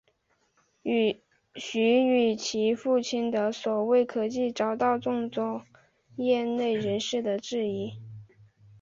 徐与其父亲的所谓科技遭到众多业内人士的质疑。